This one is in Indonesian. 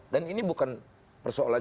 dan ini bukan persoalan